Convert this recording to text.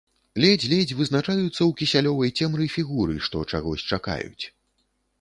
Ледзь-ледзь вызначаюцца ў кісялёвай цемры фігуры, што чагось чакаюць.